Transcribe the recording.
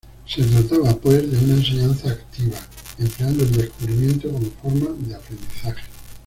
Se trataba, pues, de una enseñanza activa, empleando el descubrimiento como forma de aprendizaje.